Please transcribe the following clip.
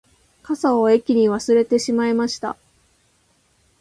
傘を駅に忘れてしまいました